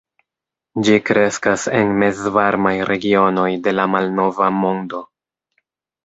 Ĝi kreskas en mezvarmaj regionoj de la malnova mondo.